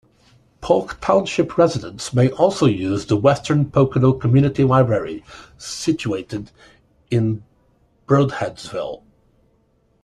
Polk Township residents may also use the Western Pocono Community Library situated in Brodheadsville.